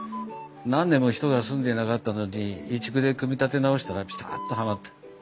何年も人が住んでいなかったのに移築で組み立て直したらピタッとはまった。